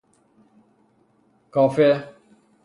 کافه